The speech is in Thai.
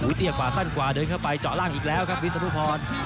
โอ๊ยเตี่ยกกว่าสั้นกว่าเดินเข้าไปเจาะร่างอีกแล้วครับวิสุทธิ์รุภร